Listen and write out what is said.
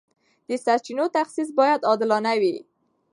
د سرچینو تخصیص باید عادلانه وي.